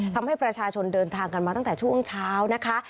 ทำให้ประชาชนเดินทางกันมาตั้งแต่ช่วงเช้านะคะ